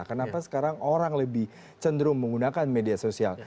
kenapa sekarang orang lebih cenderung menggunakan media sosial